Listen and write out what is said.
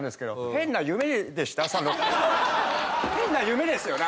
変な夢ですよね？